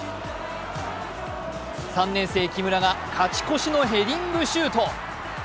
３年生・木村が勝ち越しのヘディングシュート。